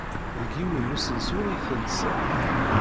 Deg yiwen n usensu ay tensa.